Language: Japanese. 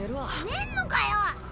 寝んのかよ！